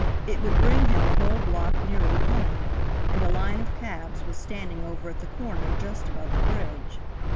It would bring him a whole block nearer home, and a line of cabs was standing over at the corner just above the bridge.